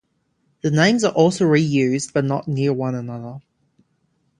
The names are also reused, but not near one another.